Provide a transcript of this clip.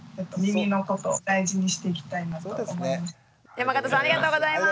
山形さんありがとうございます。